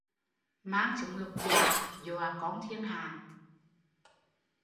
Mang súng lục giả, dọa con thiên hạ